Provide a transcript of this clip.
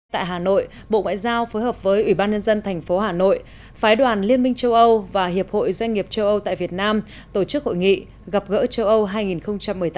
tại hà nội bộ ngoại giao phối hợp với ủy ban nhân dân thành phố hà nội phái đoàn liên minh châu âu và hiệp hội doanh nghiệp châu âu tại việt nam tổ chức hội nghị gặp gỡ châu âu hai nghìn một mươi tám